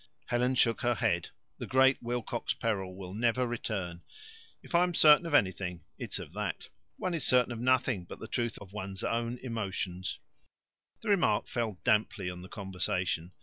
Helen shook her head. "The Great Wilcox Peril will never return. If I'm certain of anything it's of that." "One is certain of nothing but the truth of one's own emotions." The remark fell damply on the conversation.